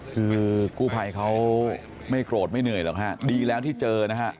คือกู้ภัยเขาไม่โกรธไม่เหนื่อยหรอกฮะดีแล้วที่เจอนะฮะ